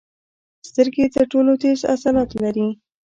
سترګې تر ټولو تېز عضلات لري.